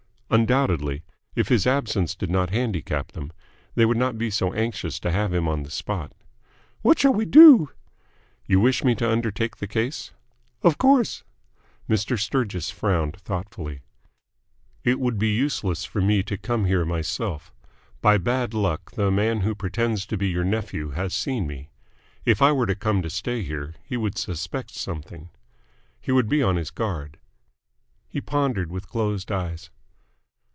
"Undoubtedly. If his absence did not handicap them, they would not be so anxious to have him on the spot." "What shall we do?" "You wish me to undertake the case?" "Of course." Mr. Sturgis frowned thoughtfully. "It would be useless for me to come here myself. By bad luck the man who pretends to be your nephew has seen me. If I were to come to stay here, he would suspect something. He would be on his guard." He pondered with closed eyes.